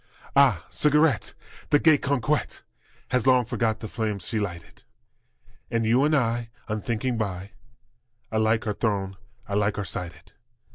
Ah, cigarette! The gay coquette Has long forgot the flames she lighted, And you and I unthinking by Alike are thrown, alike are slighted.